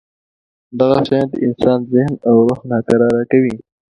دغه شیان د انسان ذهن او روح ناکراره کوي.